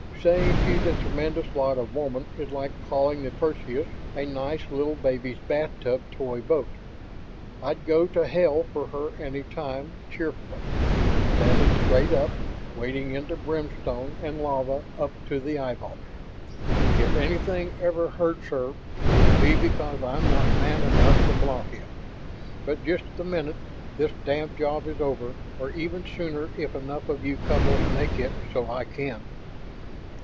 Saying she's a tremendous lot of woman is like calling the Perseus a nice little baby's bathtub toy boat. I'd go to hell for her any time, cheerfully, standing straight up, wading into brimstone and lava up to the eyeballs. If anything ever hurts her it'll be because I'm not man enough to block it. And just the minute this damned job is over, or even sooner if enough of you couples make it so I can